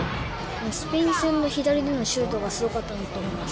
スペイン戦の左でのシュートがすごかったなと思います。